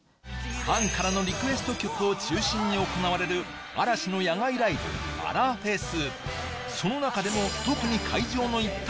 ファンからのリクエスト曲を中心に行われる嵐の野外ライブ「アラフェス」